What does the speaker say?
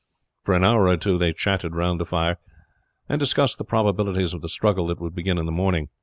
For an hour or two they chatted round the fire, and discussed the probabilities of the struggle that would begin in the morning.